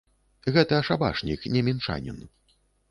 Гэта шабашнік, не мінчанін.